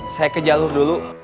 saya ke jalur dulu